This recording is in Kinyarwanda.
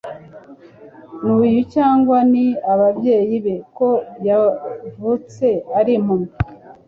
ni uyu cyangwa ni ababyeyi be, ko yavutse ari impumyi?